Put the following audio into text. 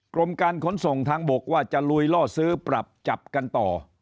กรมการขนส่งทางบกว่าจะลุยล่อซื้อปรับจับกันต่อ